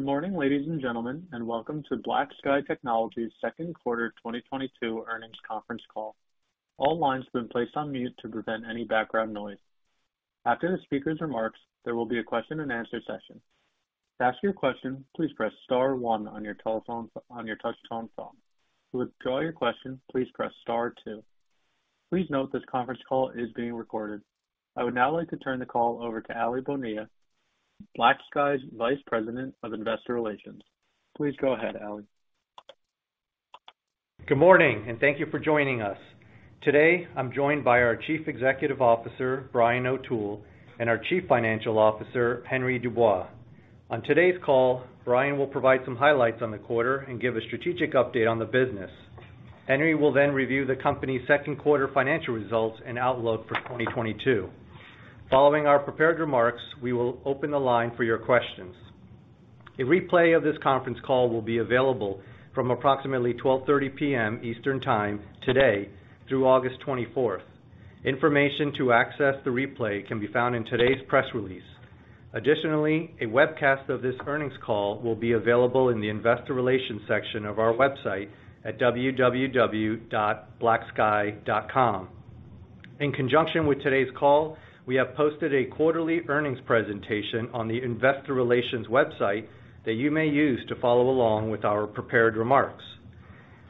Good morning, ladies and gentlemen, and welcome to BlackSky Technology's second quarter 2022 earnings conference call. All lines have been placed on mute to prevent any background noise. After the speaker's remarks, there will be a question-and-answer session. To ask your question, please press star one on your touch-tone phone. To withdraw your question, please press star two. Please note this conference call is being recorded. I would now like to turn the call over to Aly Bonilla, BlackSky's Vice President of Investor Relations. Please go ahead, Aly. Good morning, and thank you for joining us. Today, I'm joined by our Chief Executive Officer, Brian O'Toole, and our Chief Financial Officer, Henry Dubois. On today's call, Brian will provide some highlights on the quarter and give a strategic update on the business. Henry will then review the company's second quarter financial results and outlook for 2022. Following our prepared remarks, we will open the line for your questions. A replay of this conference call will be available from approximately 12:30 P.M. Eastern Time today through August 24th. Information to access the replay can be found in today's press release. Additionally, a webcast of this earnings call will be available in the Investor Relations section of our website at www.blacksky.com. In conjunction with today's call, we have posted a quarterly earnings presentation on the investor relations website that you may use to follow along with our prepared remarks.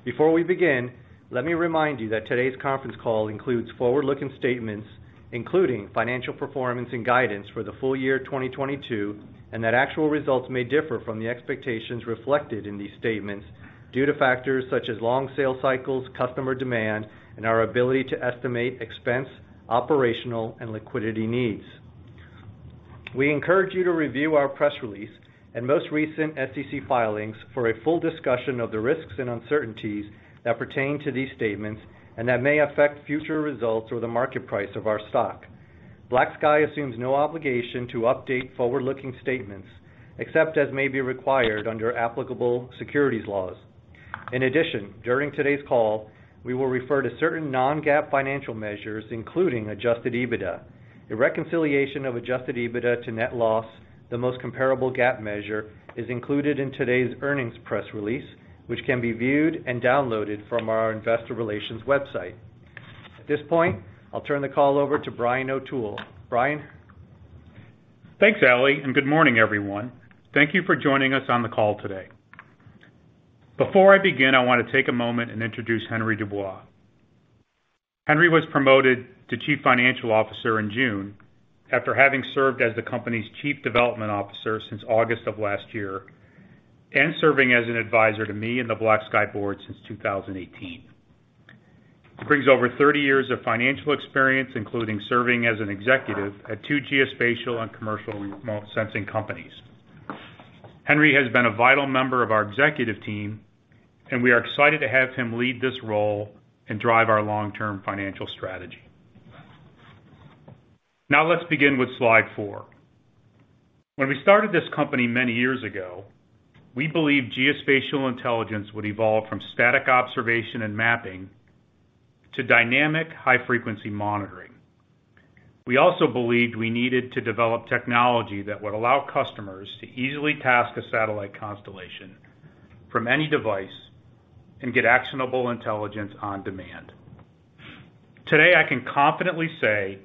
Before we begin, let me remind you that today's conference call includes forward-looking statements, including financial performance and guidance for the full year 2022, and that actual results may differ from the expectations reflected in these statements due to factors such as long sales cycles, customer demand, and our ability to estimate expense, operational, and liquidity needs. We encourage you to review our press release and most recent SEC filings for a full discussion of the risks and uncertainties that pertain to these statements and that may affect future results or the market price of our stock. BlackSky assumes no obligation to update forward-looking statements, except as may be required under applicable securities laws. In addition, during today's call, we will refer to certain non-GAAP financial measures, including adjusted EBITDA. A reconciliation of adjusted EBITDA to net loss, the most comparable GAAP measure, is included in today's earnings press release, which can be viewed and downloaded from our investor relations website. At this point, I'll turn the call over to Brian O'Toole. Brian? Thanks, Aly, and good morning, everyone. Thank you for joining us on the call today. Before I begin, I want to take a moment and introduce Henry Dubois. Henry was promoted to Chief Financial Officer in June after having served as the company's Chief Development Officer since August of last year and serving as an advisor to me and the BlackSky Board since 2018. He brings over 30 years of financial experience, including serving as an executive at two geospatial and commercial remote sensing companies. Henry has been a vital member of our executive team, and we are excited to have him lead this role and drive our long-term financial strategy. Now let's begin with slide four. When we started this company many years ago, we believed geospatial intelligence would evolve from static observation and mapping to dynamic high-frequency monitoring. We also believed we needed to develop technology that would allow customers to easily task a satellite constellation from any device and get actionable intelligence on demand. Today, I can confidently say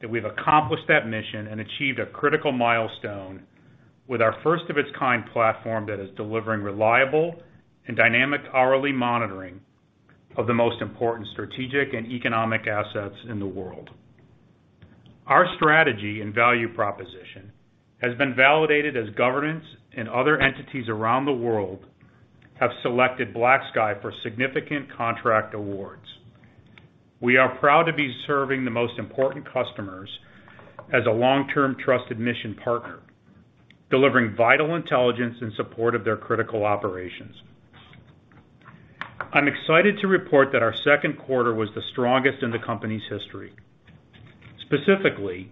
that we've accomplished that mission and achieved a critical milestone with our first of its kind platform that is delivering reliable and dynamic hourly monitoring of the most important strategic and economic assets in the world. Our strategy and value proposition has been validated as governments and other entities around the world have selected BlackSky for significant contract awards. We are proud to be serving the most important customers as a long-term trusted mission partner, delivering vital intelligence in support of their critical operations. I'm excited to report that our second quarter was the strongest in the company's history. Specifically,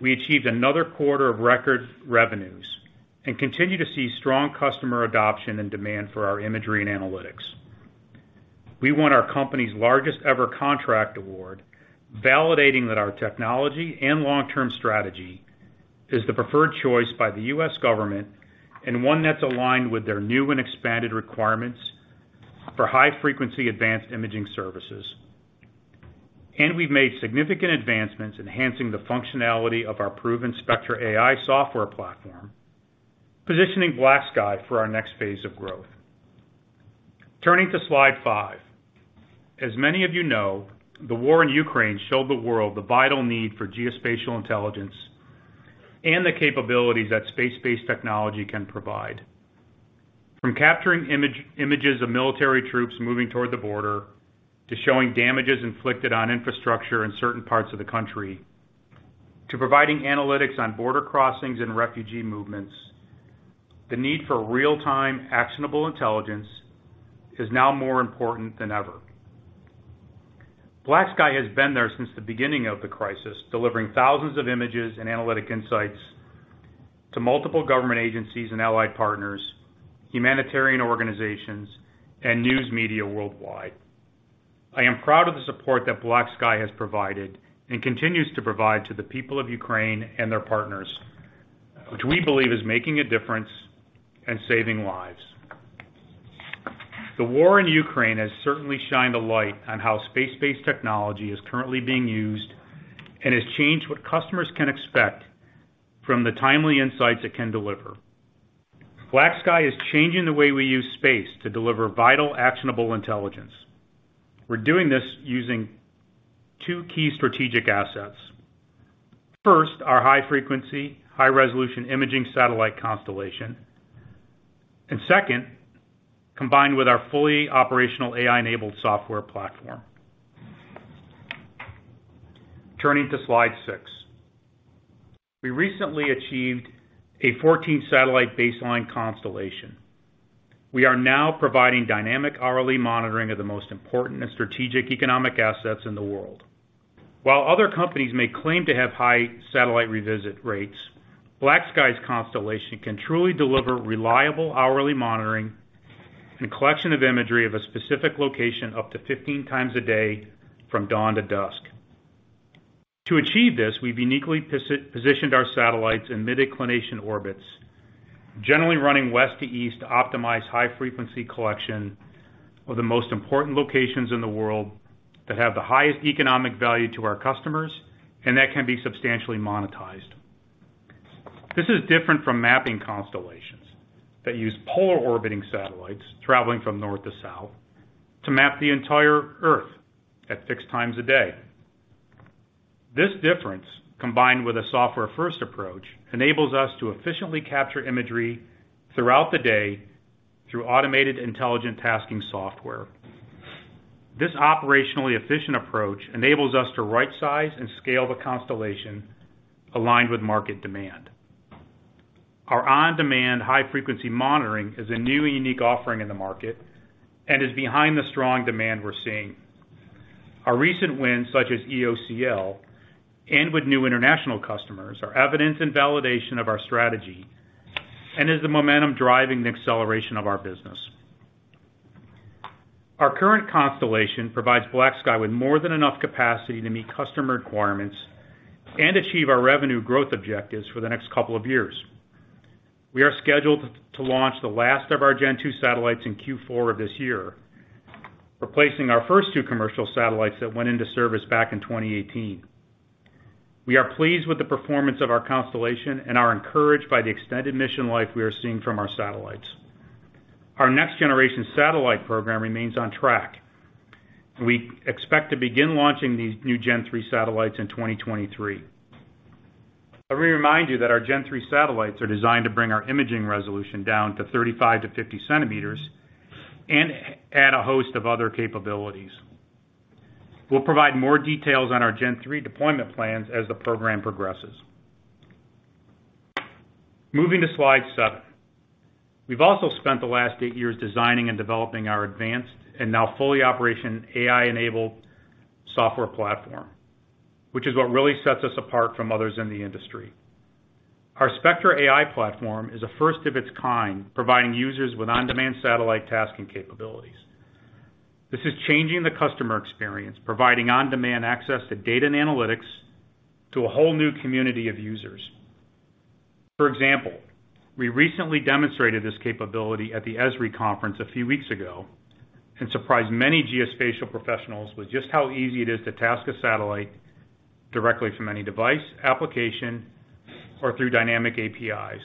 we achieved another quarter of record revenues and continue to see strong customer adoption and demand for our imagery and analytics. We won our company's largest ever contract award, validating that our technology and long-term strategy is the preferred choice by the U.S. government and one that's aligned with their new and expanded requirements for high-frequency advanced imaging services. We've made significant advancements enhancing the functionality of our proven Spectra AI software platform, positioning BlackSky for our next phase of growth. Turning to slide five. As many of you know, the war in Ukraine showed the world the vital need for geospatial intelligence and the capabilities that space-based technology can provide. From capturing images of military troops moving toward the border, to showing damages inflicted on infrastructure in certain parts of the country, to providing analytics on border crossings and refugee movements, the need for real-time actionable intelligence is now more important than ever. BlackSky has been there since the beginning of the crisis, delivering thousands of images and analytic insights to multiple government agencies and allied partners, humanitarian organizations, and news media worldwide. I am proud of the support that BlackSky has provided and continues to provide to the people of Ukraine and their partners, which we believe is making a difference and saving lives. The war in Ukraine has certainly shined a light on how space-based technology is currently being used and has changed what customers can expect from the timely insights it can deliver. BlackSky is changing the way we use space to deliver vital, actionable intelligence. We're doing this using two key strategic assets. First, our high-frequency, high-resolution imaging satellite constellation. Second, combined with our fully operational AI-enabled software platform. Turning to slide six. We recently achieved a 14-satellite baseline constellation. We are now providing dynamic hourly monitoring of the most important and strategic economic assets in the world. While other companies may claim to have high satellite revisit rates, BlackSky's constellation can truly deliver reliable hourly monitoring and collection of imagery of a specific location up to 15 times a day from dawn to dusk. To achieve this, we've uniquely positioned our satellites in mid-inclination orbits, generally running west to east to optimize high frequency collection of the most important locations in the world that have the highest economic value to our customers, and that can be substantially monetized. This is different from mapping constellations that use polar orbiting satellites traveling from north to south to map the entire Earth at six times a day. This difference, combined with a software-first approach, enables us to efficiently capture imagery throughout the day through automated intelligent tasking software. This operationally efficient approach enables us to right size and scale the constellation aligned with market demand. Our on-demand high frequency monitoring is a new and unique offering in the market and is behind the strong demand we're seeing. Our recent wins, such as EOCL and with new international customers, are evidence and validation of our strategy and is the momentum driving the acceleration of our business. Our current constellation provides BlackSky with more than enough capacity to meet customer requirements and achieve our revenue growth objectives for the next couple of years. We are scheduled to launch the last of our Gen Two satellites in Q4 of this year, replacing our first two commercial satellites that went into service back in 2018. We are pleased with the performance of our constellation and are encouraged by the extended mission life we are seeing from our satellites. Our next-generation satellite program remains on track. We expect to begin launching these new Gen-3 satellites in 2023. Let me remind you that our Gen-3 satellites are designed to bring our imaging resolution down to 35 cm-50 cm and add a host of other capabilities. We'll provide more details on our Gen-3 deployment plans as the program progresses. Moving to slide seven. We've also spent the last eight years designing and developing our advanced and now fully operational AI-enabled software platform, which is what really sets us apart from others in the industry. Our Spectra AI platform is a first of its kind, providing users with on-demand satellite tasking capabilities. This is changing the customer experience, providing on-demand access to data and analytics to a whole new community of users. For example, we recently demonstrated this capability at the Esri conference a few weeks ago and surprised many geospatial professionals with just how easy it is to task a satellite directly from any device, application, or through dynamic APIs,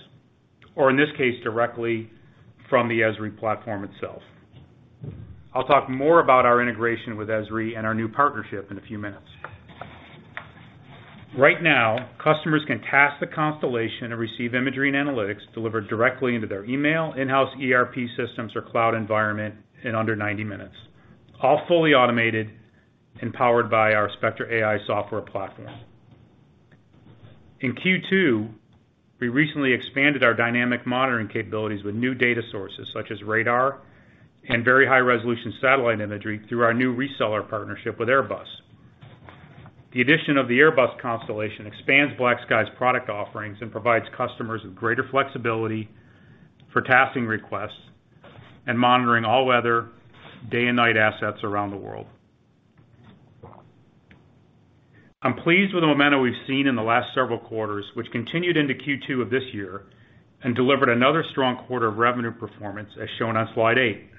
or in this case, directly from the Esri platform itself. I'll talk more about our integration with Esri and our new partnership in a few minutes. Right now, customers can task the constellation and receive imagery and analytics delivered directly into their email, in-house ERP systems or cloud environment in under 90 minutes. All fully automated and powered by our Spectra AI software platform. In Q2, we recently expanded our dynamic monitoring capabilities with new data sources such as radar and very high-resolution satellite imagery through our new reseller partnership with Airbus. The addition of the Airbus constellation expands BlackSky's product offerings and provides customers with greater flexibility for tasking requests and monitoring all-weather day-and-night assets around the world. I'm pleased with the momentum we've seen in the last several quarters, which continued into Q2 of this year and delivered another strong quarter of revenue performance, as shown on slide eight.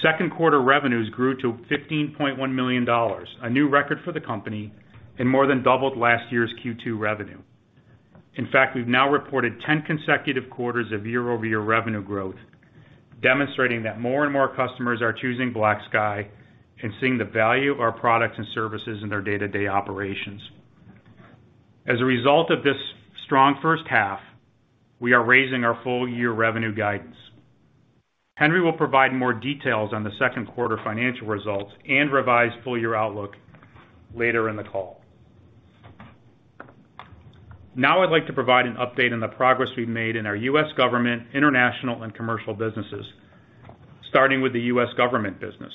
Second quarter revenues grew to $15.1 million, a new record for the company and more than doubled last year's Q2 revenue. In fact, we've now reported 10 consecutive quarters of year-over-year revenue growth, demonstrating that more and more customers are choosing BlackSky and seeing the value of our products and services in their day-to-day operations. As a result of this strong first half, we are raising our full year revenue guidance. Henry will provide more details on the second quarter financial results and revised full year outlook later in the call. Now I'd like to provide an update on the progress we've made in our U.S. government, international and commercial businesses, starting with the U.S. government business.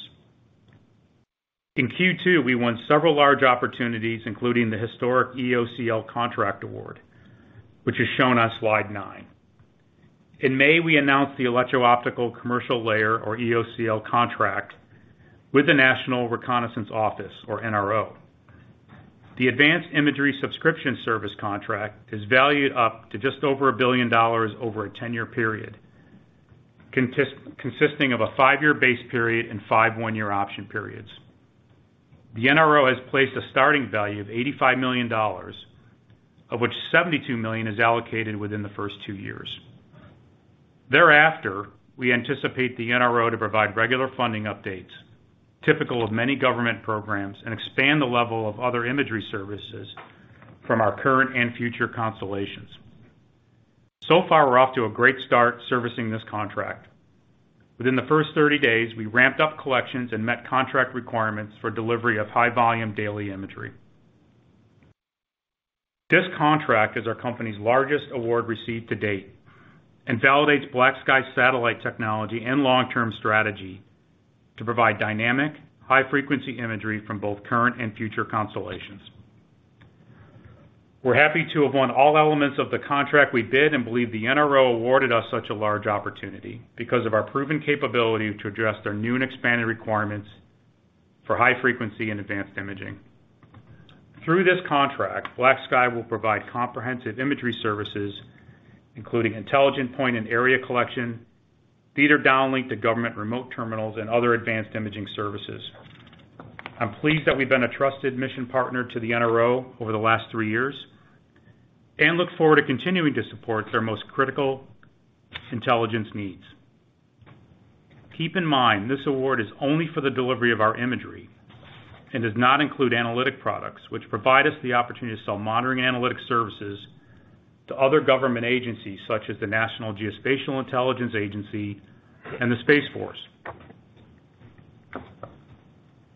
In Q2, we won several large opportunities, including the historic EOCL contract award, which is shown on slide nine. In May, we announced the Electro-Optical Commercial Layer, or EOCL contract with the National Reconnaissance Office, or NRO. The advanced imagery subscription service contract is valued up to just over $1 billion over a 10-year period, consisting of a five-year base period and five one-year option periods. The NRO has placed a starting value of $85 million, of which $72 million is allocated within the first two years. Thereafter, we anticipate the NRO to provide regular funding updates typical of many government programs and expand the level of other imagery services from our current and future constellations. So far, we're off to a great start servicing this contract. Within the first 30 days, we ramped up collections and met contract requirements for delivery of high volume daily imagery. This contract is our company's largest award received to date and validates BlackSky satellite technology and long-term strategy to provide dynamic, high-frequency imagery from both current and future constellations. We're happy to have won all elements of the contract we bid and believe the NRO awarded us such a large opportunity because of our proven capability to address their new and expanded requirements for high frequency and advanced imaging. Through this contract, BlackSky will provide comprehensive imagery services, including intelligent point and area collection, theater downlink to government remote terminals, and other advanced imaging services. I'm pleased that we've been a trusted mission partner to the NRO over the last three years and look forward to continuing to support their most critical intelligence needs. Keep in mind, this award is only for the delivery of our imagery and does not include analytic products which provide us the opportunity to sell monitoring analytics services to other government agencies such as the National Geospatial-Intelligence Agency and the Space Force.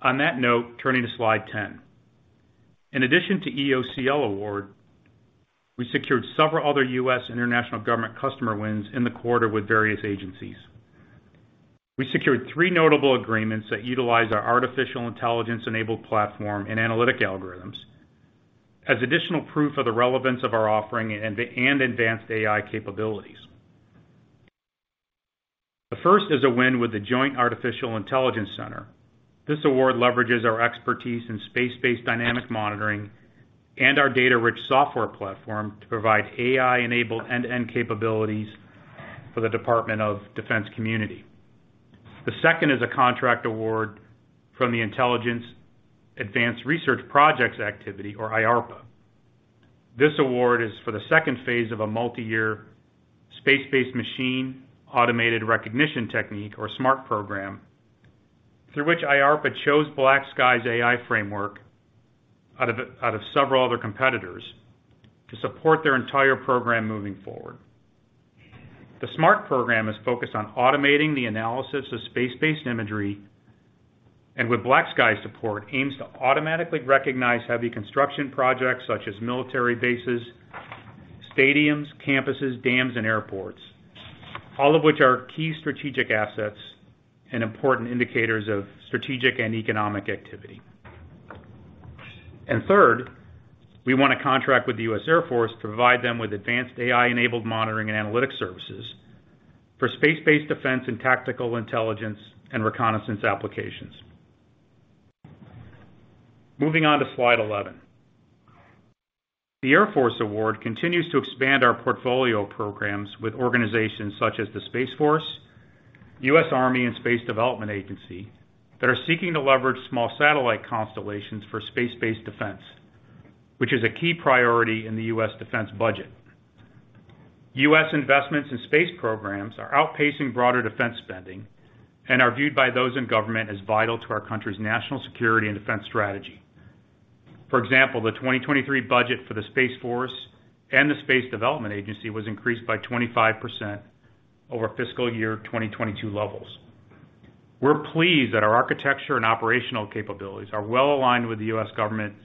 On that note, turning to slide 10. In addition to EOCL award, we secured several other U.S. and international government customer wins in the quarter with various agencies. We secured three notable agreements that utilize our artificial intelligence-enabled platform and analytic algorithms as additional proof of the relevance of our offering and advanced AI capabilities. The first is a win with the Joint Artificial Intelligence Center. This award leverages our expertise in space-based dynamic monitoring and our data-rich software platform to provide AI-enabled end-to-end capabilities for the Department of Defense community. The second is a contract award from the Intelligence Advanced Research Projects Activity, or IARPA. This award is for the second phase of a multi-year Space-based Machine Automated Recognition Technique, or SMART program, through which IARPA chose BlackSky's AI framework out of several other competitors to support their entire program moving forward. The SMART program is focused on automating the analysis of space-based imagery, and with BlackSky's support, aims to automatically recognize heavy construction projects such as military bases, stadiums, campuses, dams, and airports, all of which are key strategic assets and important indicators of strategic and economic activity. Third, we won a contract with the U.S. Air Force to provide them with advanced AI-enabled monitoring and analytics services for space-based defense and tactical intelligence and reconnaissance applications. Moving on to slide eleven. The Air Force award continues to expand our portfolio of programs with organizations such as the Space Force, U.S. Army, and Space Development Agency that are seeking to leverage small satellite constellations for space-based defense, which is a key priority in the U.S. defense budget. U.S. investments in space programs are outpacing broader defense spending and are viewed by those in government as vital to our country's national security and defense strategy. For example, the 2023 budget for the Space Force and the Space Development Agency was increased by 25% over fiscal year 2022 levels. We're pleased that our architecture and operational capabilities are well aligned with the U.S. government's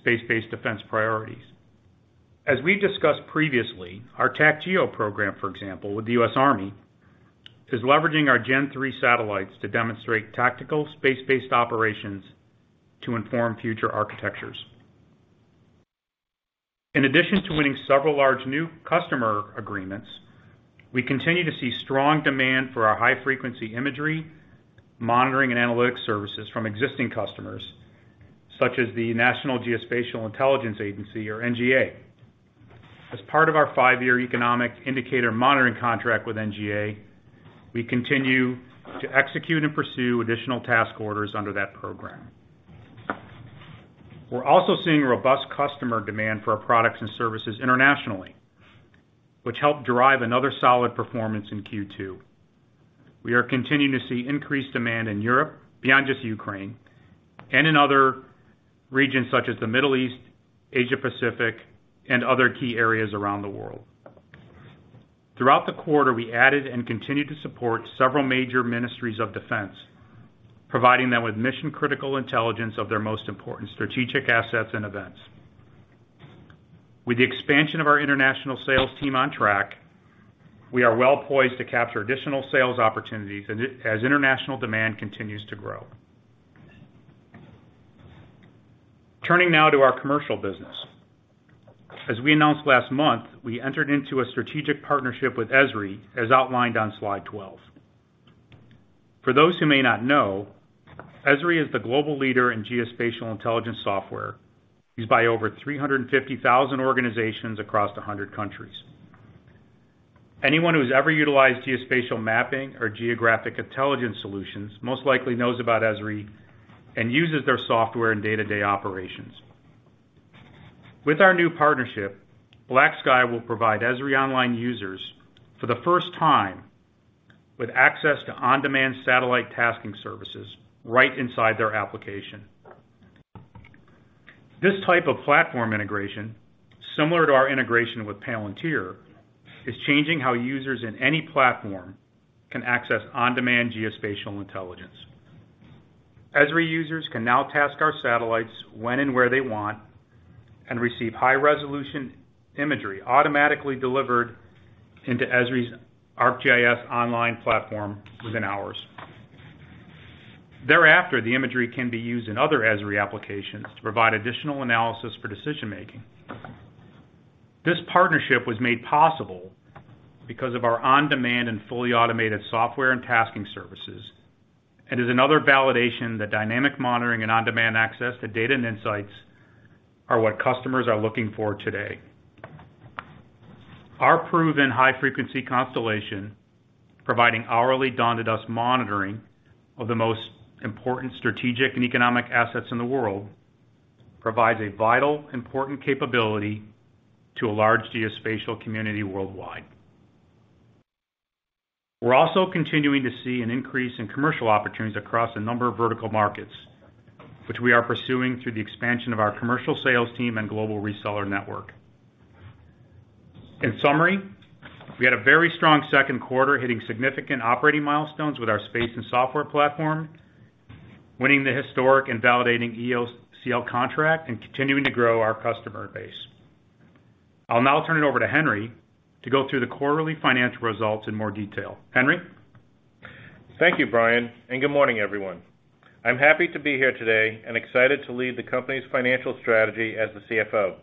space-based defense priorities. As we discussed previously, our TACGEO program, for example, with the U.S. Army, is leveraging our Gen-3 satellites to demonstrate tactical space-based operations to inform future architectures. In addition to winning several large new customer agreements, we continue to see strong demand for our high-frequency imagery, monitoring, and analytics services from existing customers such as the National Geospatial-Intelligence Agency, or NGA. As part of our five-year economic indicator monitoring contract with NGA, we continue to execute and pursue additional task orders under that program. We're also seeing robust customer demand for our products and services internationally, which helped drive another solid performance in Q2. We are continuing to see increased demand in Europe, beyond just Ukraine, and in other regions such as the Middle East, Asia-Pacific, and other key areas around the world. Throughout the quarter, we added and continued to support several major ministries of defense, providing them with mission-critical intelligence of their most important strategic assets and events. With the expansion of our international sales team on track, we are well-poised to capture additional sales opportunities as international demand continues to grow. Turning now to our commercial business. As we announced last month, we entered into a strategic partnership with Esri, as outlined on slide 12. For those who may not know, Esri is the global leader in geospatial intelligence software used by over 350,000 organizations across 100 countries. Anyone who's ever utilized geospatial mapping or geographic intelligence solutions most likely knows about Esri and uses their software in day-to-day operations. With our new partnership, BlackSky will provide Esri online users, for the first time, with access to on-demand satellite tasking services right inside their application. This type of platform integration, similar to our integration with Palantir, is changing how users in any platform can access on-demand geospatial intelligence. Esri users can now task our satellites when and where they want and receive high-resolution imagery automatically delivered into Esri's ArcGIS online platform within hours. Thereafter, the imagery can be used in other Esri applications to provide additional analysis for decision-making. This partnership was made possible because of our on-demand and fully automated software and tasking services and is another validation that dynamic monitoring and on-demand access to data and insights are what customers are looking for today. Our proven high-frequency constellation, providing hourly dawn-to-dusk monitoring of the most important strategic and economic assets in the world, provides a vital, important capability to a large geospatial community worldwide. We're also continuing to see an increase in commercial opportunities across a number of vertical markets, which we are pursuing through the expansion of our commercial sales team and global reseller network. In summary, we had a very strong second quarter, hitting significant operating milestones with our space and software platform, winning the historic and validating EOCL contract, and continuing to grow our customer base. I'll now turn it over to Henry to go through the quarterly financial results in more detail. Henry? Thank you, Brian, and good morning, everyone. I'm happy to be here today and excited to lead the company's financial strategy as the CFO.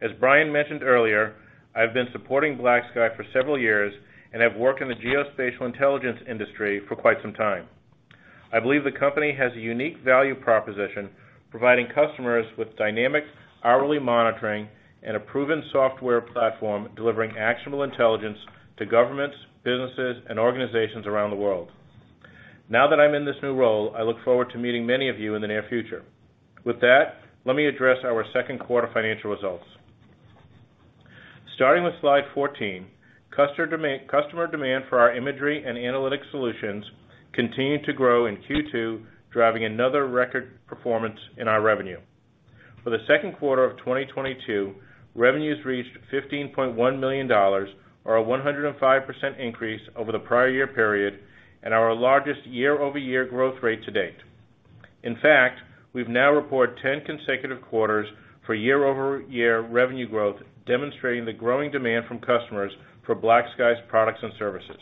As Brian mentioned earlier, I've been supporting BlackSky for several years and have worked in the geospatial intelligence industry for quite some time. I believe the company has a unique value proposition, providing customers with dynamic hourly monitoring and a proven software platform delivering actionable intelligence to governments, businesses, and organizations around the world. Now that I'm in this new role, I look forward to meeting many of you in the near future. With that, let me address our second quarter financial results. Starting with slide 14, customer demand for our imagery and analytic solutions continued to grow in Q2, driving another record performance in our revenue. For the second quarter of 2022, revenues reached $15.1 million, or a 105% increase over the prior year period, and our largest year-over-year growth rate to date. In fact, we've now reported 10 consecutive quarters for year-over-year revenue growth, demonstrating the growing demand from customers for BlackSky's products and services.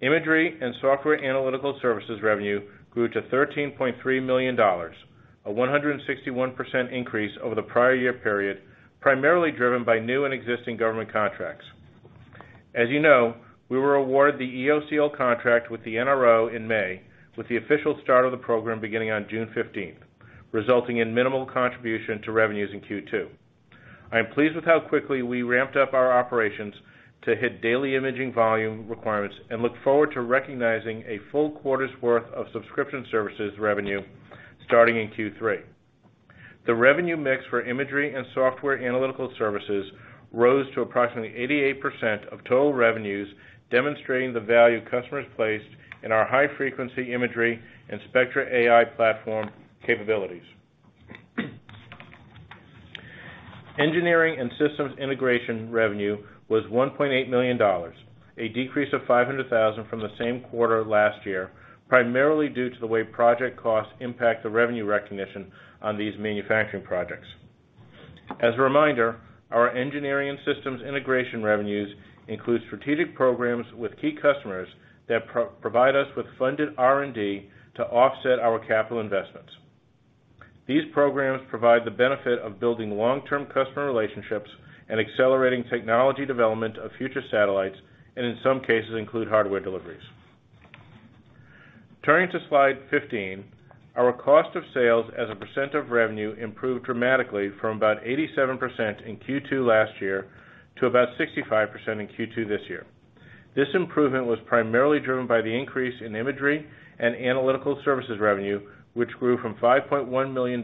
Imagery and software analytical services revenue grew to $13.3 million, a 161% increase over the prior year period, primarily driven by new and existing government contracts. As you know, we were awarded the EOCL contract with the NRO in May, with the official start of the program beginning on June 15, resulting in minimal contribution to revenues in Q2. I am pleased with how quickly we ramped up our operations to hit daily imaging volume requirements and look forward to recognizing a full quarter's worth of subscription services revenue starting in Q3. The revenue mix for imagery and software analytical services rose to approximately 88% of total revenues, demonstrating the value customers placed in our high-frequency imagery and Spectra AI platform capabilities. Engineering and systems integration revenue was $1.8 million, a decrease of $500,000 from the same quarter last year, primarily due to the way project costs impact the revenue recognition on these manufacturing projects. As a reminder, our engineering systems integration revenues include strategic programs with key customers that provide us with funded R&D to offset our capital investments. These programs provide the benefit of building long-term customer relationships and accelerating technology development of future satellites, and in some cases, include hardware deliveries. Turning to slide 15, our cost of sales as a percent of revenue improved dramatically from about 87% in Q2 last year to about 65% in Q2 this year. This improvement was primarily driven by the increase in imagery and analytical services revenue, which grew from $5.1 million in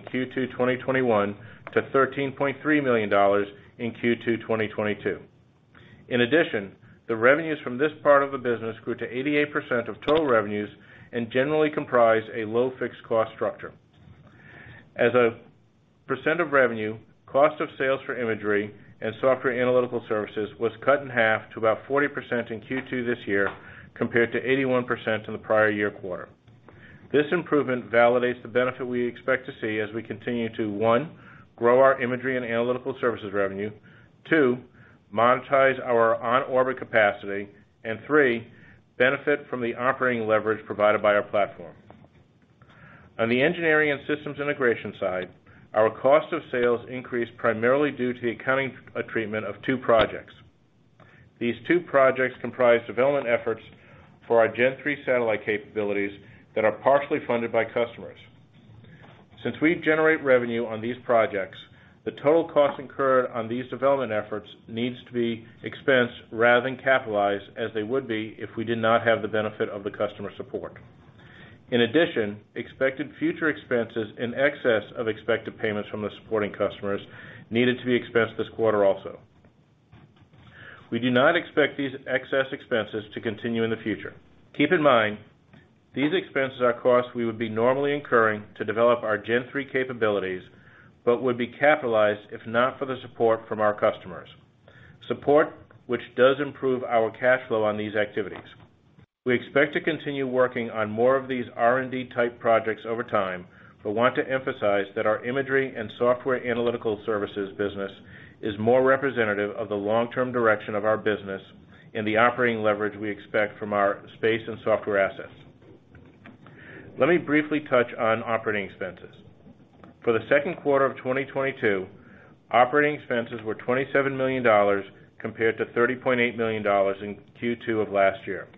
Q2 2021 to $13.3 million in Q2 2022. In addition, the revenues from this part of the business grew to 88% of total revenues and generally comprised a low fixed cost structure. As a percent of revenue, cost of sales for imagery and software analytical services was cut in half to about 40% in Q2 this year compared to 81% in the prior year quarter. This improvement validates the benefit we expect to see as we continue to, one, grow our imagery and analytical services revenue. Two, monetize our on-orbit capacity, and three, benefit from the operating leverage provided by our platform. On the engineering and systems integration side, our cost of sales increased primarily due to the accounting treatment of two projects. These two projects comprise development efforts for our Gen-3 satellite capabilities that are partially funded by customers. Since we generate revenue on these projects, the total cost incurred on these development efforts needs to be expensed rather than capitalized, as they would be if we did not have the benefit of the customer support. In addition, expected future expenses in excess of expected payments from the supporting customers needed to be expensed this quarter also. We do not expect these excess expenses to continue in the future. Keep in mind, these expenses are costs we would be normally incurring to develop our Gen-3 capabilities, but would be capitalized if not for the support from our customers, support which does improve our cash flow on these activities. We expect to continue working on more of these R&D type projects over time, but want to emphasize that our imagery and software analytical services business is more representative of the long-term direction of our business and the operating leverage we expect from our space and software assets. Let me briefly touch on operating expenses. For the second quarter of 2022, operating expenses were $27 million compared to $30.8 million in Q2 of last year.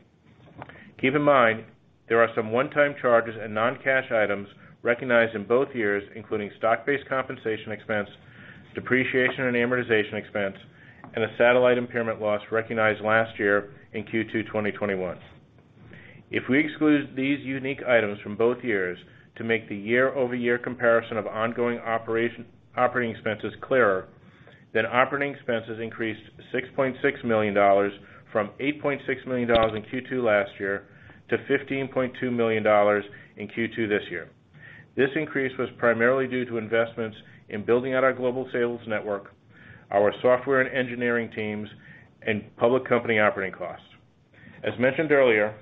Keep in mind, there are some one-time charges and non-cash items recognized in both years, including stock-based compensation expense, depreciation and amortization expense, and a satellite impairment loss recognized last year in Q2 2021. If we exclude these unique items from both years to make the year-over-year comparison of ongoing operating expenses clearer, then operating expenses increased $6.6 million from $8.6 million in Q2 last year to $15.2 million in Q2 this year. This increase was primarily due to investments in building out our global sales network, our software and engineering teams, and public company operating costs. As mentioned earlier,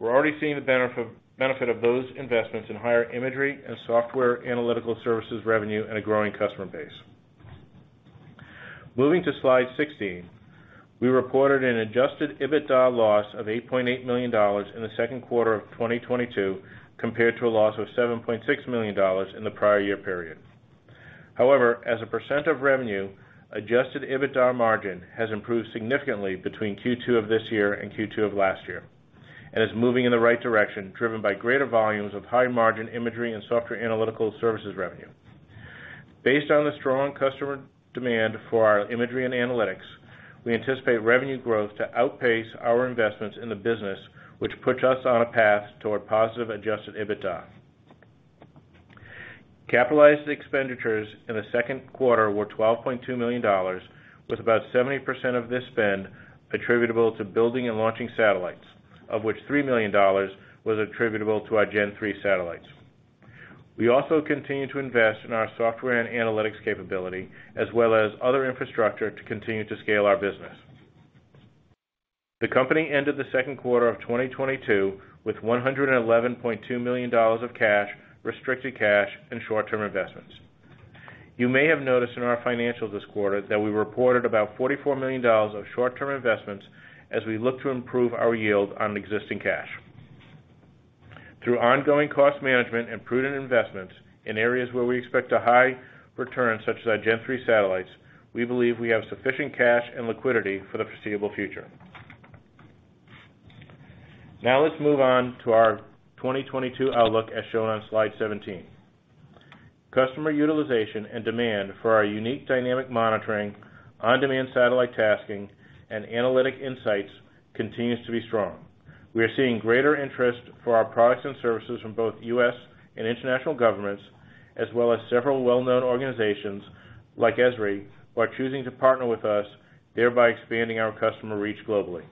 we're already seeing the benefit of those investments in higher imagery and software analytical services revenue and a growing customer base. Moving to slide 16, we reported an adjusted EBITDA loss of $8.8 million in the second quarter of 2022 compared to a loss of $7.6 million in the prior year period. However, as a percent of revenue, adjusted EBITDA margin has improved significantly between Q2 of this year and Q2 of last year, and is moving in the right direction, driven by greater volumes of high-margin imagery and software analytical services revenue. Based on the strong customer demand for our imagery and analytics, we anticipate revenue growth to outpace our investments in the business, which puts us on a path toward positive adjusted EBITDA. Capitalized expenditures in the second quarter were $12.2 million, with about 70% of this spend attributable to building and launching satellites, of which $3 million was attributable to our Gen-3 satellites. We also continue to invest in our software and analytics capability, as well as other infrastructure to continue to scale our business. The company ended the second quarter of 2022 with $111.2 million of cash, restricted cash, and short-term investments. You may have noticed in our financials this quarter that we reported about $44 million of short-term investments as we look to improve our yield on existing cash. Through ongoing cost management and prudent investments in areas where we expect a high return, such as our Gen-3 satellites, we believe we have sufficient cash and liquidity for the foreseeable future. Now let's move on to our 2022 outlook, as shown on slide 17. Customer utilization and demand for our unique dynamic monitoring, on-demand satellite tasking, and analytic insights continues to be strong. We are seeing greater interest for our products and services from both U.S. and international governments, as well as several well-known organizations like Esri, who are choosing to partner with us, thereby expanding our customer reach globally.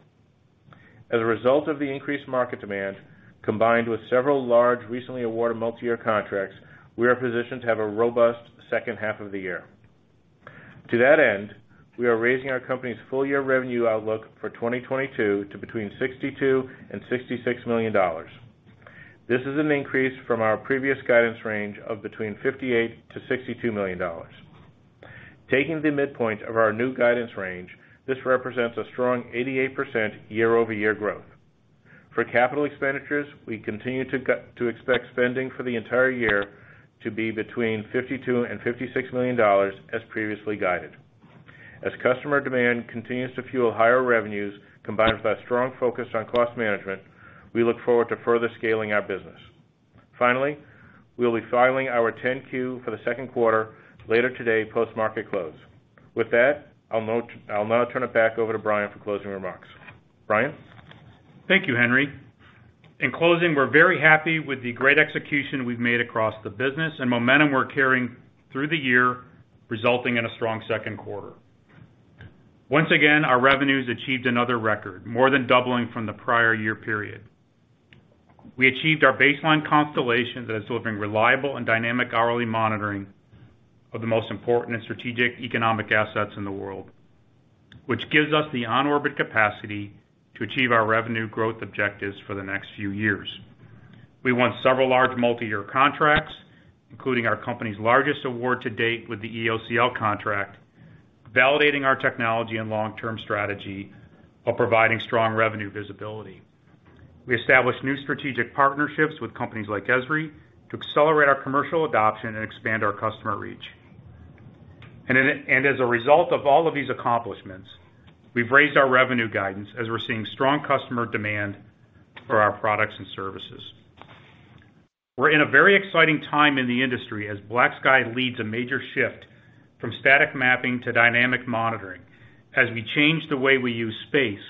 As a result of the increased market demand, combined with several large, recently awarded multi-year contracts, we are positioned to have a robust second half of the year. To that end, we are raising our company's full year revenue outlook for 2022 to between $62 million and $66 million. This is an increase from our previous guidance range of between $58 million and $62 million. Taking the midpoint of our new guidance range, this represents a strong 88% year-over-year growth. For capital expenditures, we continue to expect spending for the entire year to be between $52 million and $56 million, as previously guided. As customer demand continues to fuel higher revenues, combined with a strong focus on cost management, we look forward to further scaling our business. Finally, we'll be filing our 10-Q for the second quarter later today, post-market close. With that, I'll now turn it back over to Brian for closing remarks. Brian? Thank you, Henry. In closing, we're very happy with the great execution we've made across the business and momentum we're carrying through the year, resulting in a strong second quarter. Once again, our revenues achieved another record, more than doubling from the prior year period. We achieved our baseline constellation that is delivering reliable and dynamic hourly monitoring of the most important and strategic economic assets in the world, which gives us the on-orbit capacity to achieve our revenue growth objectives for the next few years. We won several large multi-year contracts, including our company's largest award to date with the EOCL contract, validating our technology and long-term strategy while providing strong revenue visibility. We established new strategic partnerships with companies like Esri to accelerate our commercial adoption and expand our customer reach. As a result of all of these accomplishments, we've raised our revenue guidance as we're seeing strong customer demand for our products and services. We're in a very exciting time in the industry as BlackSky leads a major shift from static mapping to dynamic monitoring as we change the way we use space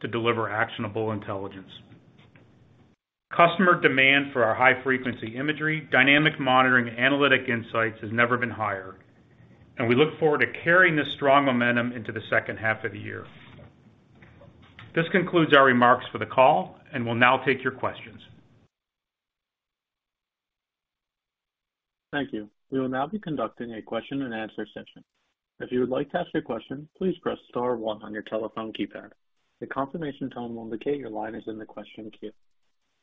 to deliver actionable intelligence. Customer demand for our high-frequency imagery, dynamic monitoring, analytic insights has never been higher, and we look forward to carrying this strong momentum into the second half of the year. This concludes our remarks for the call, and we'll now take your questions. Thank you. We will now be conducting a question and answer session. If you would like to ask a question, please press star one on your telephone keypad. A confirmation tone will indicate your line is in the question queue.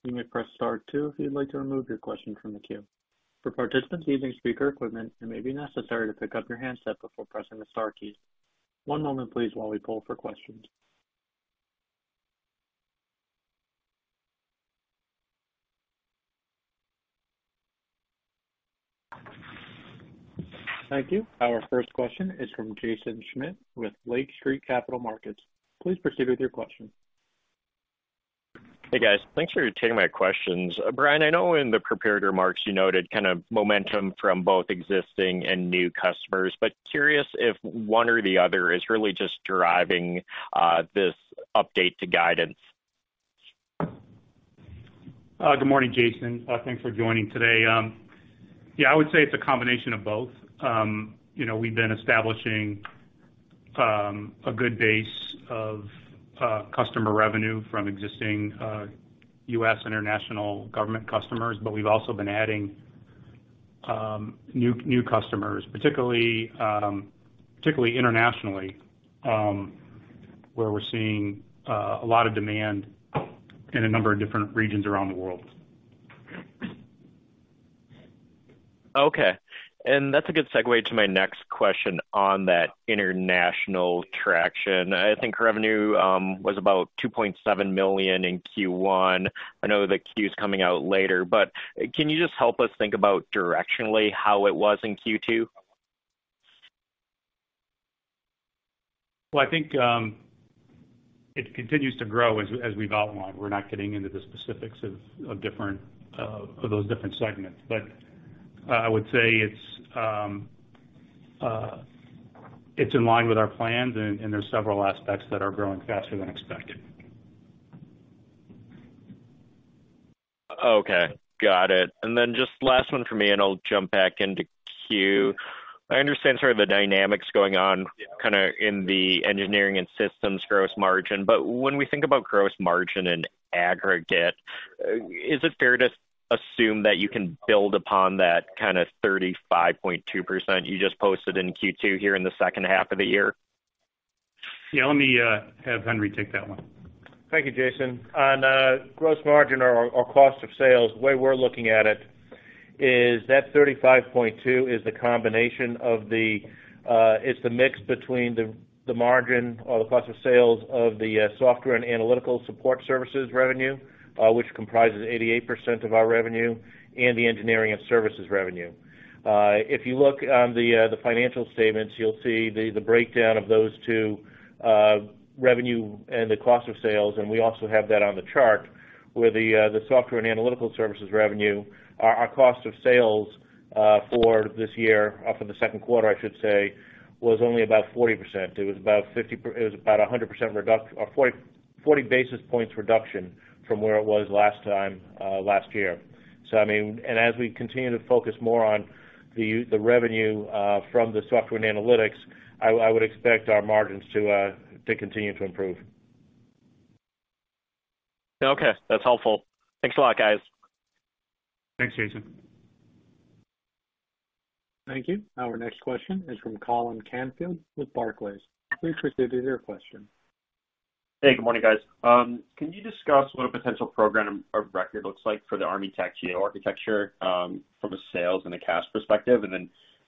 You may press star two if you'd like to remove your question from the queue. For participants using speaker equipment, it may be necessary to pick up your handset before pressing the star keys. One moment please while we poll for questions. Thank you. Our first question is from Jaeson Schmidt with Lake Street Capital Markets. Please proceed with your question. Hey, guys. Thanks for taking my questions. Brian, I know in the prepared remarks you noted kind of momentum from both existing and new customers, but curious if one or the other is really just driving this update to guidance? Good morning, Jaeson. Thanks for joining today. Yeah, I would say it's a combination of both. You know, we've been establishing a good base of customer revenue from existing U.S. international government customers, but we've also been adding new customers, particularly internationally, where we're seeing a lot of demand in a number of different regions around the world. Okay. That's a good segue to my next question on that international traction. I think revenue was about $2.7 million in Q1. I know the Q is coming out later, but can you just help us think about directionally how it was in Q2? Well, I think it continues to grow as we've outlined. We're not getting into the specifics of those different segments. I would say it's in line with our plans and there's several aspects that are growing faster than expected. Okay. Got it. Just last one for me, and I'll jump back into queue. I understand sort of the dynamics going on kinda in the engineering and systems gross margin. When we think about gross margin in aggregate, is it fair to assume that you can build upon that kind of 35.2% you just posted in Q2 here in the second half of the year? Yeah, let me have Henry take that one. Thank you, Jaeson. On gross margin or cost of sales, the way we're looking at it is that 35.2% is the combination of it's the mix between the margin or the cost of sales of the software and analytical support services revenue, which comprises 88% of our revenue and the engineering and services revenue. If you look on the financial statements, you'll see the breakdown of those two revenue and the cost of sales, and we also have that on the chart where the software and analytical services revenue are our cost of sales for this year, up in the second quarter, I should say, was only about 40%. It was about 100% or 40 basis points reduction from where it was last time, last year. I mean, and as we continue to focus more on the revenue from the software and analytics, I would expect our margins to continue to improve. Okay. That's helpful. Thanks a lot, guys. Thanks, Jaeson. Thank you. Our next question is from Colin Canfield with Barclays. Please proceed with your question. Hey, good morning, guys. Can you discuss what a potential program of record looks like for the Army TACGEO architecture, from a sales and a cash perspective?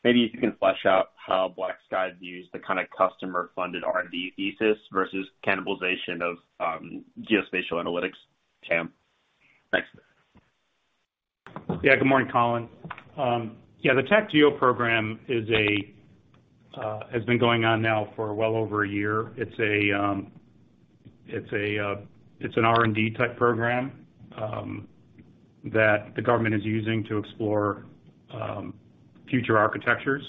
Maybe if you can flesh out how BlackSky views the kind of customer-funded R&D thesis versus cannibalization of geospatial analytics TAM. Thanks. Yeah. Good morning, Colin. Yeah, the TACGEO program has been going on now for well over a year. It's an R&D type program that the government is using to explore future architectures.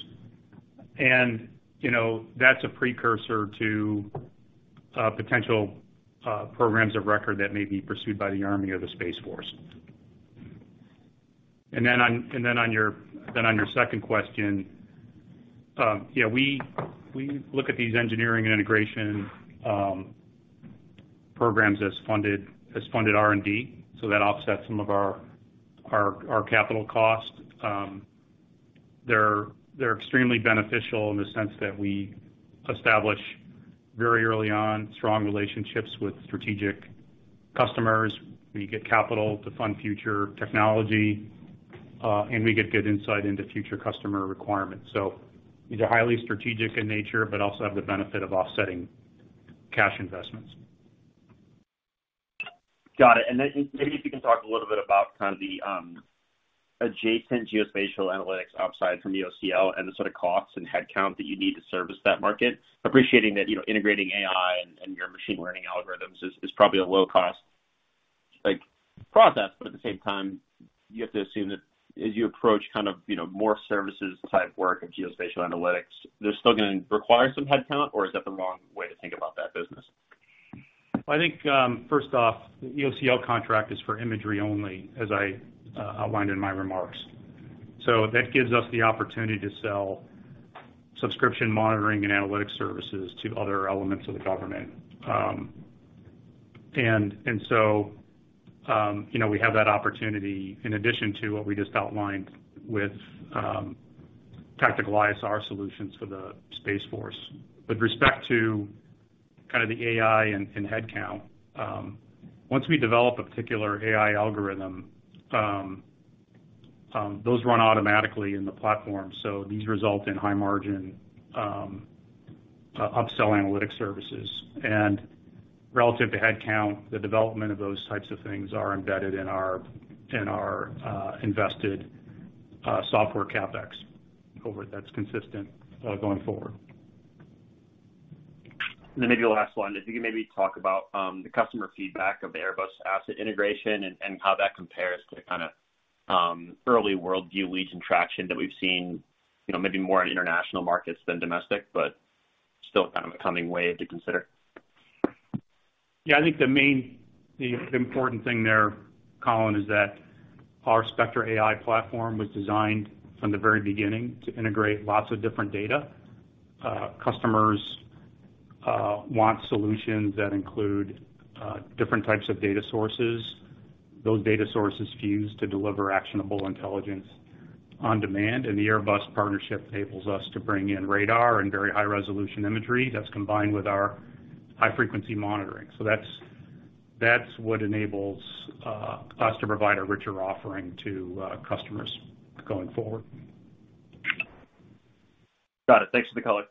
You know, that's a precursor to potential programs of record that may be pursued by the Army or the Space Force. On your second question, yeah, we look at these engineering and integration programs as funded R&D, so that offsets some of our capital costs. They're extremely beneficial in the sense that we establish very early on strong relationships with strategic customers. We get capital to fund future technology, and we get good insight into future customer requirements. These are highly strategic in nature, but also have the benefit of offsetting cash investments. Got it. Maybe if you can talk a little bit about kind of the adjacent geospatial analytics upside from EOCL and the sort of costs and headcount that you need to service that market. Appreciating that, you know, integrating AI and your machine learning algorithms is probably a low cost, like, process, but at the same time, you have to assume that as you approach kind of, you know, more services type work of geospatial analytics, they're still gonna require some headcount or is that the wrong way to think about that business? I think, first off, the EOCL contract is for imagery only, as I outlined in my remarks. That gives us the opportunity to sell subscription monitoring and analytics services to other elements of the government. You know, we have that opportunity in addition to what we just outlined with tactical ISR solutions for the Space Force. With respect to kind of the AI and headcount, once we develop a particular AI algorithm, those run automatically in the platform. These result in high margin upsell analytic services. Relative to headcount, the development of those types of things are embedded in our invested software CapEx. Overall, that's consistent going forward. Maybe the last one, if you could maybe talk about the customer feedback of the Airbus asset integration and how that compares to the kind of early WorldView Legion traction that we've seen, you know, maybe more in international markets than domestic, but still kind of a coming way to consider. Yeah, I think the main, the important thing there, Colin, is that our Spectra AI platform was designed from the very beginning to integrate lots of different data. Customers want solutions that include different types of data sources. Those data sources fuse to deliver actionable intelligence on demand, and the Airbus partnership enables us to bring in radar and very high resolution imagery that's combined with our high frequency monitoring. That's what enables us to provide a richer offering to customers going forward. Got it. Thanks for the color.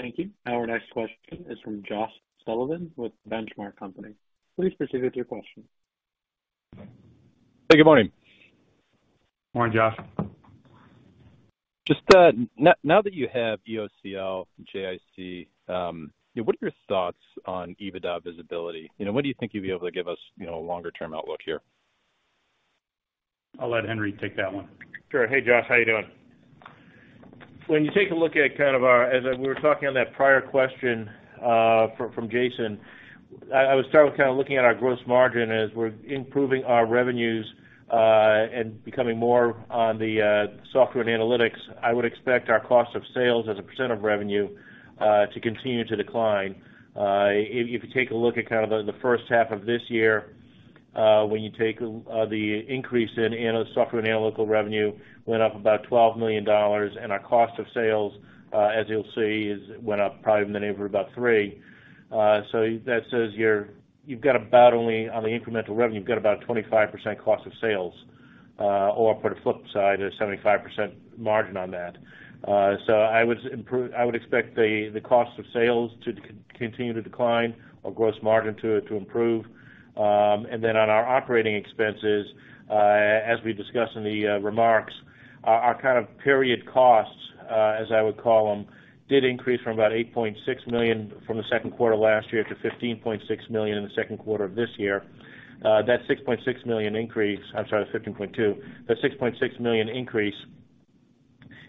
Thank you. Our next question is from Josh Sullivan with Benchmark Company. Please proceed with your question. Hey, good morning. Morning, Josh. Just now that you have EOCL, JAIC, what are your thoughts on EBITDA visibility? You know, what do you think you'll be able to give us, you know, a longer term outlook here? I'll let Henry take that one. Sure. Hey, Josh, how you doing? When you take a look at kind of as we were talking on that prior question from Jaeson, I would start with kind of looking at our gross margin as we're improving our revenues and becoming more on the software and analytics. I would expect our cost of sales as a percent of revenue to continue to decline. If you take a look at kind of the first half of this year, when you take the increase in software and analytical revenue went up about $12 million, and our cost of sales as you'll see is went up probably in the neighborhood about $3 million. That says you've got about only on the incremental revenue, you've got about 25% cost of sales, or on the flip side, a 75% margin on that. I would expect the cost of sales to continue to decline or gross margin to improve. On our operating expenses, as we discussed in the remarks, our kind of period costs, as I would call them, did increase from about $8.6 million in the second quarter last year to $15.6 million in the second quarter of this year. That $6.6 million increase. I'm sorry, $15.2 million. The $6.6 million increase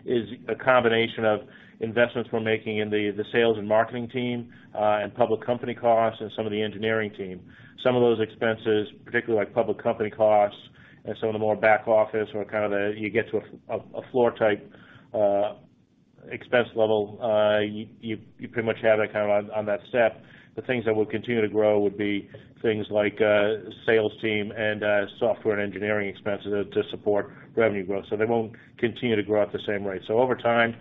is a combination of investments we're making in the sales and marketing team and public company costs and some of the engineering team. Some of those expenses, particularly like public company costs and some of the more back office or kind of the. You get to a floor type expense level, you pretty much have that kind of on that step. The things that will continue to grow would be things like sales team and software and engineering expenses to support revenue growth, so they won't continue to grow at the same rate. Over time,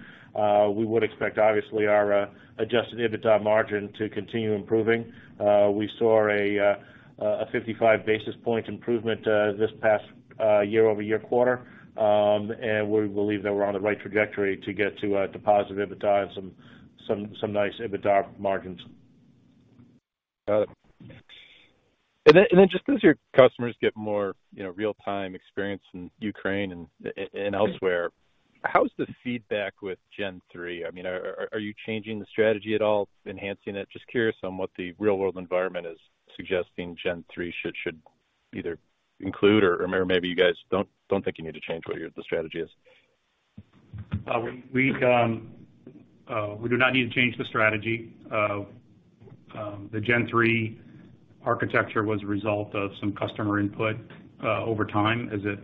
we would expect obviously our adjusted EBITDA margin to continue improving. We saw a 55 basis point improvement this past year-over-year quarter. We believe that we're on the right trajectory to get to a positive EBITDA and some nice EBITDA margins. Got it. Then just as your customers get more, you know, real-time experience in Ukraine and elsewhere, how's the feedback with Gen-3? I mean, are you changing the strategy at all? Enhancing it? Just curious on what the real world environment is suggesting Gen-3 should either include or maybe you guys don't think you need to change what your strategy is. We do not need to change the strategy. The Gen-3 architecture was a result of some customer input over time as it.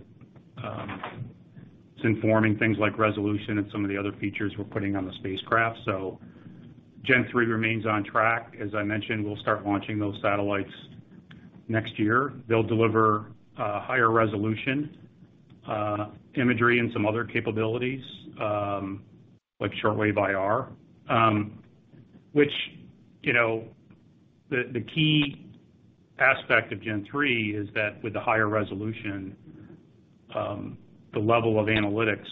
It's informing things like resolution and some of the other features we're putting on the spacecraft. Gen-3 remains on track. As I mentioned, we'll start launching those satellites next year. They'll deliver higher-resolution imagery and some other capabilities like shortwave IR. Which, you know, the key aspect of Gen-3 is that with the higher resolution, the level of analytics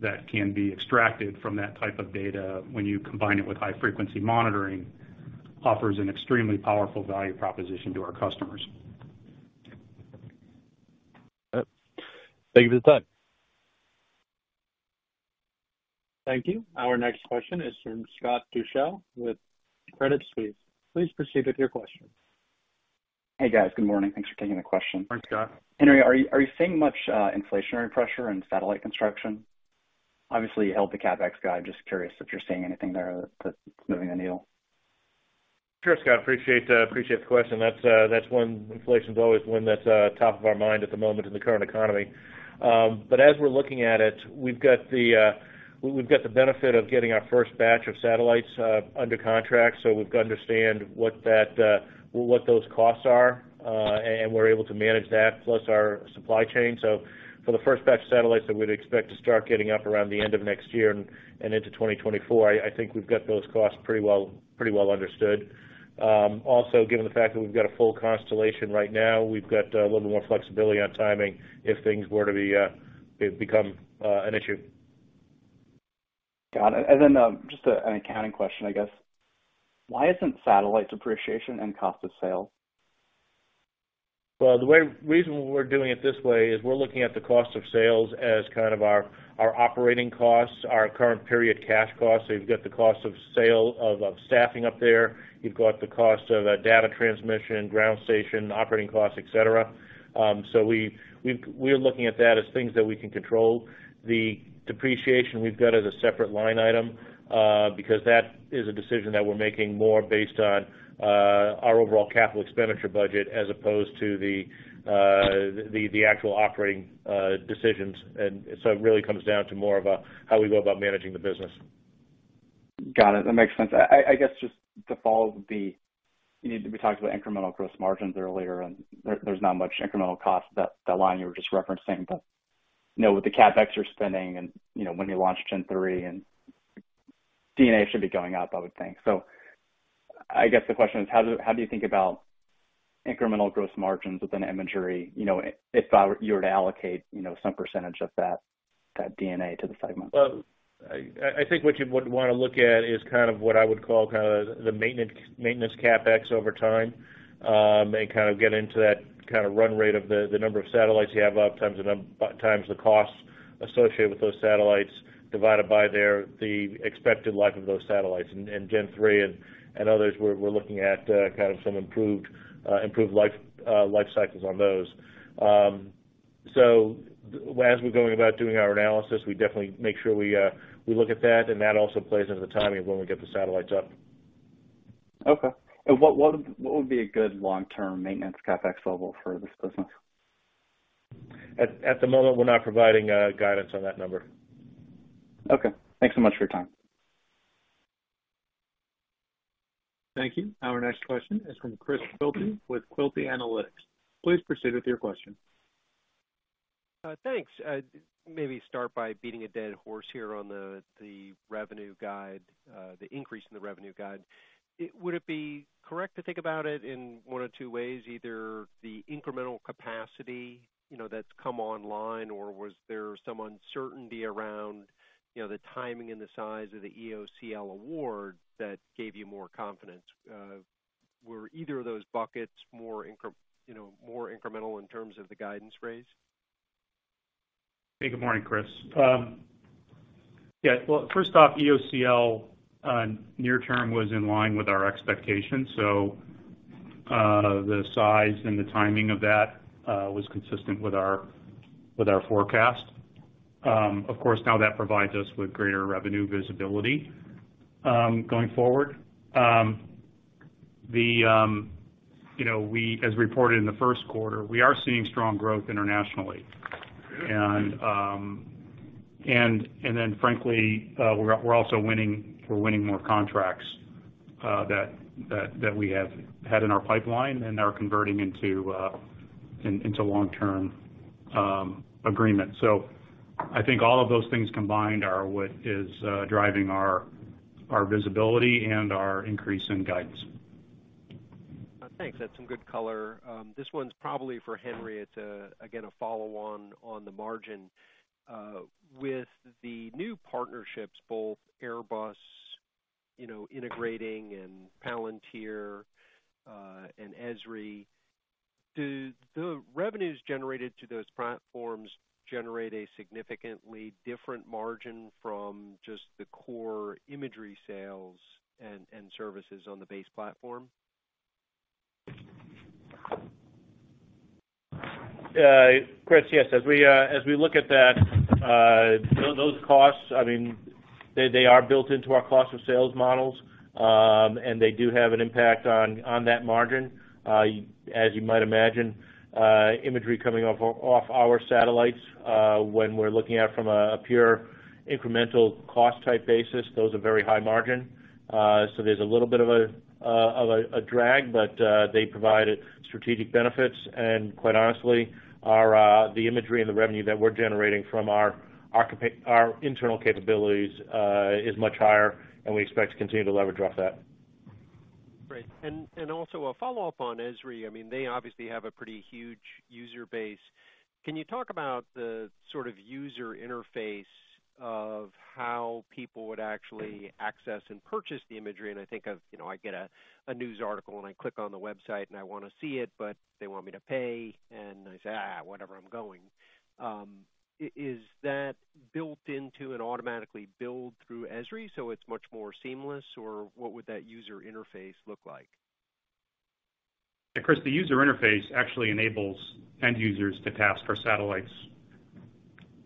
that can be extracted from that type of data when you combine it with high-frequency monitoring offers an extremely powerful value proposition to our customers. Yep. Thank you for the time. Thank you. Our next question is from Scott Deuschle with Credit Suisse. Please proceed with your question. Hey, guys. Good morning. Thanks for taking the question. Thanks, Scott. Henry, are you seeing much inflationary pressure in satellite construction? Obviously, you held the CapEx guide. Just curious if you're seeing anything there that's moving the needle. Sure, Scott. Appreciate the question. That's one. Inflation's always one that's top of our mind at the moment in the current economy. As we're looking at it, we've got the benefit of getting our first batch of satellites under contract, so we've got to understand what those costs are, and we're able to manage that plus our supply chain. For the first batch of satellites that we'd expect to start getting up around the end of next year and into 2024, I think we've got those costs pretty well understood. Also, given the fact that we've got a full constellation right now, we've got a little more flexibility on timing if things were to become an issue. Got it. Just an accounting question, I guess. Why isn't satellites depreciation and cost of sales? The reason we're doing it this way is we're looking at the cost of sales as kind of our operating costs, our current period cash costs. You've got the cost of sales of staffing up there. You've got the cost of data transmission, ground station, operating costs, et cetera. We're looking at that as things that we can control. The depreciation we've got as a separate line item, because that is a decision that we're making more based on our overall capital expenditure budget as opposed to the actual operating decisions. It really comes down to more of a how we go about managing the business. Got it. That makes sense. I guess, you know, we talked about incremental gross margins earlier, and there's not much incremental cost, that line you were just referencing. But, you know, with the CapEx you're spending and, you know, when you launch Gen-3, and D&A should be going up, I would think. I guess the question is, how do you think about incremental gross margins within imagery, you know, if you were to allocate, you know, some percentage of that D&A to the segment? Well, I think what you would wanna look at is kind of what I would call kind of the maintenance CapEx over time, and kind of get into that kind of run rate of the number of satellites you have up times the number times the costs associated with those satellites, divided by the expected life of those satellites. In Gen-3 and others, we're looking at kind of some improved life cycles on those. As we're going about doing our analysis, we definitely make sure we look at that, and that also plays into the timing of when we get the satellites up. Okay. What would be a good long-term maintenance CapEx level for this business? At the moment, we're not providing guidance on that number. Okay. Thanks so much for your time. Thank you. Our next question is from Chris Quilty with Quilty Analytics. Please proceed with your question. Thanks. Maybe start by beating a dead horse here on the revenue guide, the increase in the revenue guide. Would it be correct to think about it in one of two ways, either the incremental capacity, you know, that's come online, or was there some uncertainty around, you know, the timing and the size of the EOCL award that gave you more confidence? Were either of those buckets more incremental in terms of the guidance raise? Hey, good morning, Chris. Well, first off, EOCL near term was in line with our expectations. The size and the timing of that was consistent with our forecast. Of course, now that provides us with greater revenue visibility going forward. You know, as reported in the first quarter, we are seeing strong growth internationally. Frankly, we're also winning more contracts that we have had in our pipeline and are converting into long-term agreements. I think all of those things combined are what is driving our visibility and our increase in guidance. Thanks. That's some good color. This one's probably for Henry. It's again, a follow-on on the margin. With the new partnerships, both Airbus, you know, integrating and Palantir, and Esri, do the revenues generated to those platforms generate a significantly different margin from just the core imagery sales and services on the base platform? Chris, yes. As we look at that, those costs, I mean. They are built into our cost of sales models, and they do have an impact on that margin. As you might imagine, imagery coming off our satellites, when we're looking at it from a pure incremental cost type basis, those are very high margin. So there's a little bit of a drag, but they provide strategic benefits. Quite honestly, the imagery and the revenue that we're generating from our internal capabilities is much higher, and we expect to continue to leverage off that. Great. Also a follow-up on Esri. I mean, they obviously have a pretty huge user base. Can you talk about the sort of user interface of how people would actually access and purchase the imagery? I think of, I get a news article, and I click on the website, and I wanna see it, but they want me to pay, and I say, "whatever, I'm going." Is that built into and automatically billed through Esri, so it's much more seamless? Or what would that user interface look like? Yeah, Chris, the user interface actually enables end users to task our satellites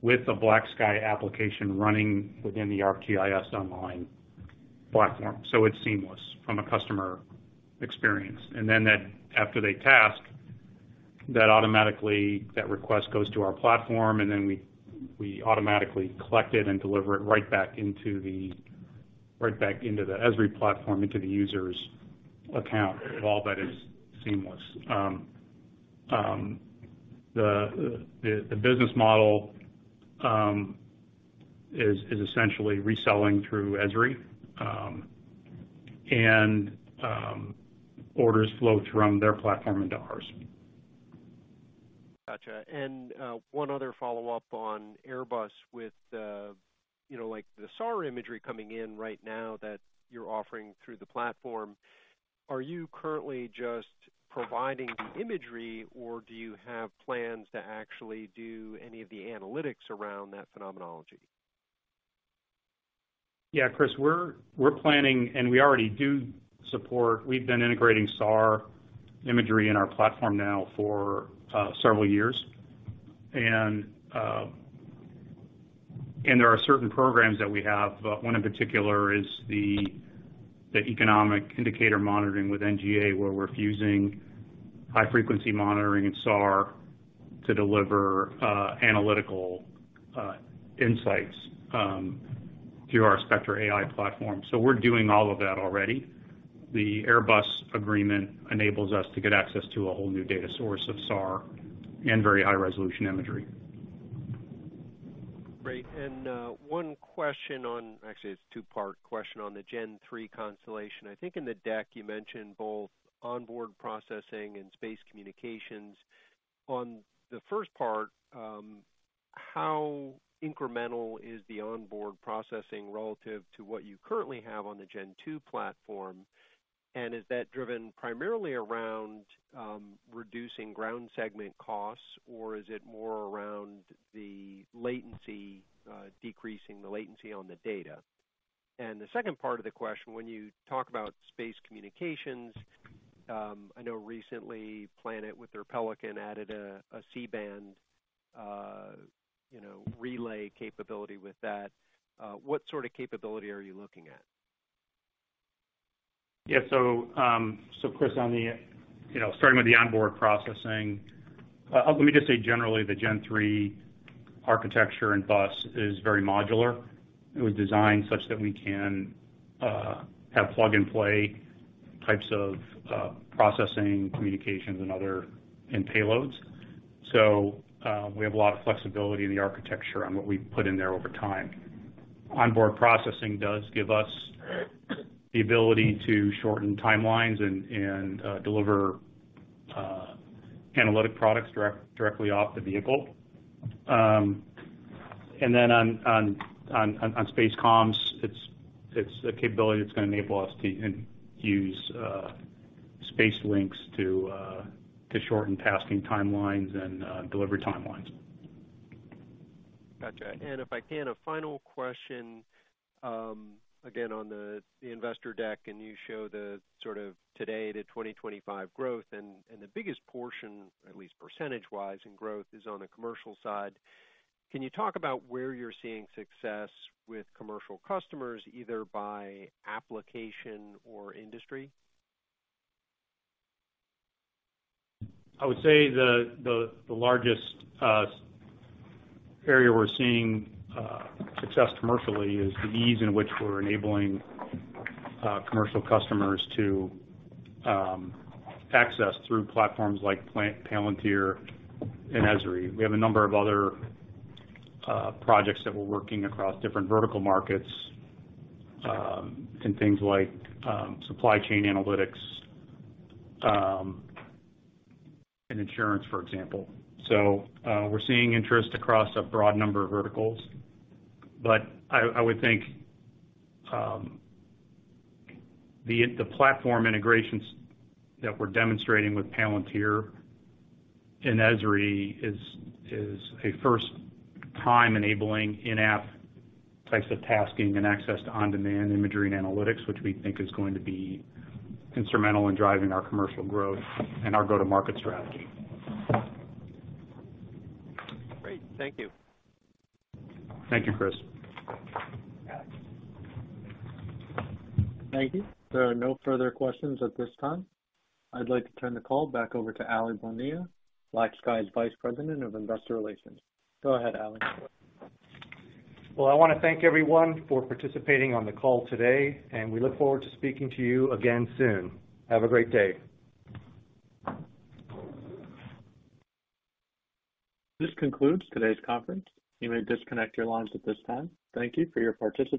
with the BlackSky application running within the ArcGIS Online platform. It's seamless from a customer experience. After they task, that automatically, that request goes to our platform, and then we automatically collect it and deliver it right back into the Esri platform, into the user's account. All that is seamless. The business model is essentially reselling through Esri. Orders flow from their platform into ours. Gotcha. One other follow-up on Airbus with, you know, like, the SAR imagery coming in right now that you're offering through the platform. Are you currently just providing the imagery, or do you have plans to actually do any of the analytics around that phenomenology? Yeah, Chris, we're planning and we already do support. We've been integrating SAR imagery in our platform now for several years. There are certain programs that we have. One in particular is the economic indicator monitoring with NGA, where we're fusing high-frequency monitoring and SAR to deliver analytical insights through our Spectra AI platform. We're doing all of that already. The Airbus agreement enables us to get access to a whole new data source of SAR and very high-resolution imagery. Great. Actually, it's a two-part question on the Gen-3 constellation. I think in the deck you mentioned both onboard processing and space communications. On the first part, how incremental is the onboard processing relative to what you currently have on the Gen-2 platform? And is that driven primarily around, reducing ground segment costs, or is it more around the latency, decreasing the latency on the data? And the second part of the question, when you talk about space communications, I know recently Planet with their Pelican added a C-band, you know, relay capability with that. What sort of capability are you looking at? Chris, on the, you know, starting with the onboard processing, let me just say generally the Gen-3 architecture and bus is very modular. It was designed such that we can have plug-and-play types of processing, communications, and other payloads. We have a lot of flexibility in the architecture on what we put in there over time. Onboard processing does give us the ability to shorten timelines and deliver analytic products directly off the vehicle. On space comms, it's a capability that's gonna enable us to use space links to shorten tasking timelines and delivery timelines. Gotcha. If I can, a final question. Again, on the investor deck, and you show the sort of today to 2025 growth, and the biggest portion, at least percentage-wise in growth, is on the commercial side. Can you talk about where you're seeing success with commercial customers, either by application or industry? I would say the largest area we're seeing success commercially is the ease in which we're enabling commercial customers to access through platforms like Planet, Palantir, and Esri. We have a number of other projects that we're working across different vertical markets in things like supply chain analytics and insurance, for example. We're seeing interest across a broad number of verticals. I would think the platform integrations that we're demonstrating with Palantir and Esri is a first time enabling in-app types of tasking and access to on-demand imagery and analytics, which we think is going to be instrumental in driving our commercial growth and our go-to-market strategy. Great. Thank you. Thank you, Chris. Thank you. There are no further questions at this time. I'd like to turn the call back over to Aly Bonilla, BlackSky's Vice President of Investor Relations. Go ahead, Aly. Well, I wanna thank everyone for participating on the call today, and we look forward to speaking to you again soon. Have a great day. This concludes today's conference. You may disconnect your lines at this time. Thank you for your participation.